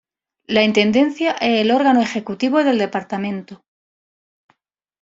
La Intendencia es el órgano ejecutivo del departamento.